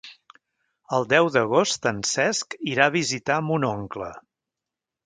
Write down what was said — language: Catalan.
El deu d'agost en Cesc irà a visitar mon oncle.